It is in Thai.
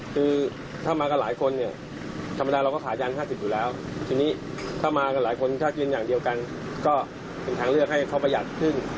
คือถ้ามากับหลายคนเนี่ยธรรมดาเราก็ขายยาง๕๐อยู่แล้วทีนี้ถ้ามากันหลายคนถ้ายืนอย่างเดียวกันก็เป็นทางเลือกให้เขาประหยัดขึ้น